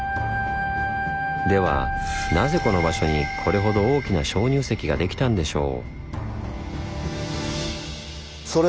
ではなぜこの場所にこれほど大きな鍾乳石ができたんでしょう？